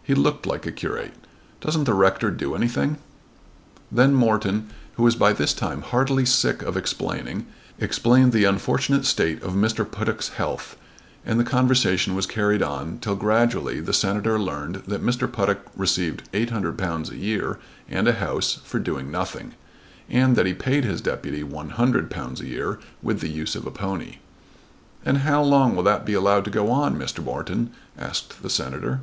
He looked like a curate. Doesn't the rector do anything?" Then Morton, who was by this time heartily sick of explaining, explained the unfortunate state of Mr. Puttock's health, and the conversation was carried on till gradually the Senator learned that Mr. Puttock received £800 a year and a house for doing nothing, and that he paid his deputy £100 a year with the use of a pony. "And how long will that be allowed to go on, Mr. Morton?" asked the Senator.